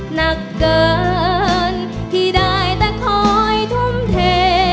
หนักเกินที่ได้แต่คอยทุ่มเท